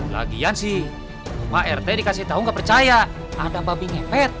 lagian sih rumah rt dikasih tahu nggak percaya ada babi ngepet